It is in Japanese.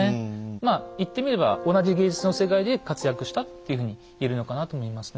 まあ言ってみれば同じ芸術の世界で活躍したっていうふうに言えるのかなと思いますね。